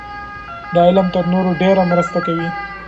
دا علم تر نورو ډېره مرسته کوي.